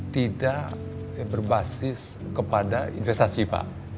tidak berbasis kepada investasi pak